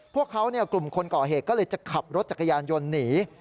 พวกเขากลุ่มคนก่อเหตุก็เลยจะขับรถจักรยานยนต์หนี